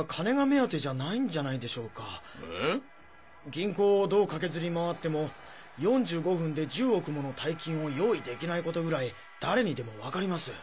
銀行をどう駆けずり回っても４５分で１０億もの大金を用意できないことぐらい誰にでもわかります。